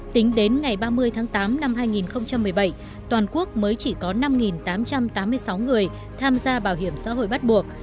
tính đến ngày ba mươi tháng tám năm hai nghìn một mươi bảy toàn quốc mới chỉ có năm tám trăm tám mươi sáu người tham gia bảo hiểm xã hội bắt buộc